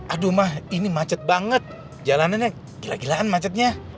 aduh mah ini macet banget jalanannya gila gilaan macetnya